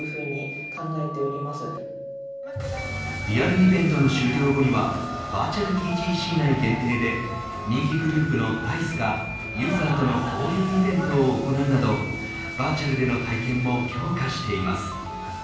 リアルイベントの終了後にはバーチャルＴＧＣ内限定で人気グループのＤａ‐ｉＣＥがユーザーとの交流イベントを行うなどバーチャルでの体験も強化しています。